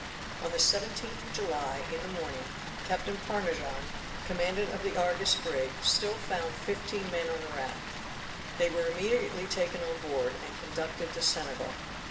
On the 17th of July, in the morning, Captain Parnajon, commandant of the Argus brig, still found fifteen men on the raft. They were immediately taken on board, and conducted to Senegal.